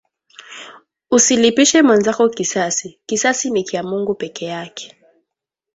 Usilipishe mwenzako kisasi kisasi ni kya Mungu pekeyake